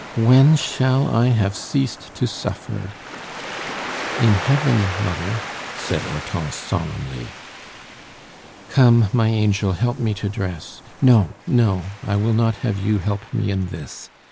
When shall I have ceased to suffer?" "In heaven, mother," said Hortense solemnly. "Come, my angel, help me to dress. No, no; I will not have you help me in this!